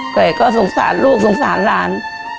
ไก่ก็สงสารลูกสงสารหลาน